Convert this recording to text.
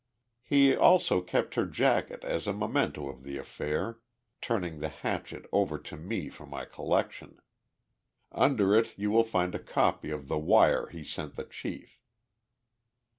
"He also kept her jacket as a memento of the affair, turning the hatchet over to me for my collection. Under it you will find a copy of the wire he sent the chief."